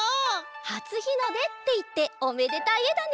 「はつひので」っていっておめでたいえだね。